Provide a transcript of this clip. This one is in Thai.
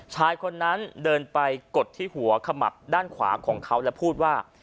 ชายคนนั้นเดินไปกดที่หัวขมับด้านขวาของเขาและพูดว่า